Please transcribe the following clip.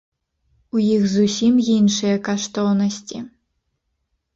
У іх зусім іншыя каштоўнасці.